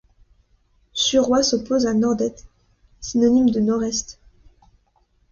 Suroît s'oppose à nordet, synonyme de nord-est.